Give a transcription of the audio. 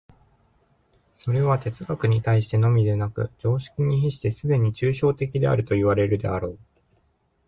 それは哲学に対してのみでなく、常識に比してすでに抽象的であるといわれるであろう。